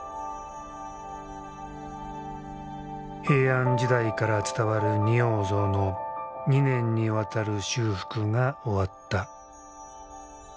平安時代から伝わる仁王像の２年にわたる修復が終わった。